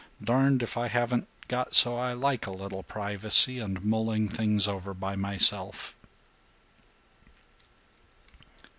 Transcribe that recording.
Darned if I haven't got so I like a little privacy and mulling things over by myself."